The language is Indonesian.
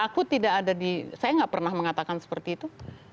aku tidak ada di saya nggak pernah mengatakan seperti itu